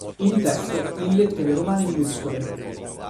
Il testo in lettere romane minuscole.